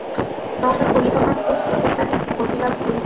নৌকা খুলিবামাত্র স্রোতের টানে গতিলাভ করিল।